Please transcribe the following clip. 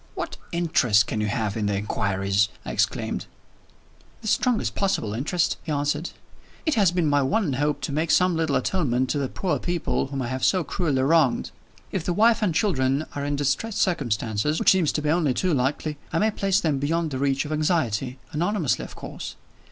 "What interest can you have in the inquiries?" I exclaimed. "The strongest possible interest," he answered. "It has been my one hope to make some little atonement to the poor people whom I have so cruelly wronged. If the wife and children are in distressed circumstances (which seems to be only too likely) I may place them beyond the reach of anxiety anonymously, of course.